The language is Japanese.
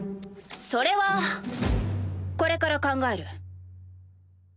それはこれから考える。